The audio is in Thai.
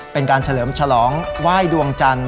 เป็นการเฉลิมฉลองไหว้ดวงจันทร์